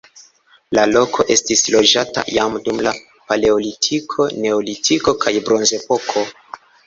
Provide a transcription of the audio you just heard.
La loko estis loĝata jam dum la paleolitiko, neolitiko kaj bronzepoko.